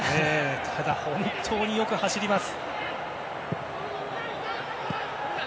ただ、本当によく走ります。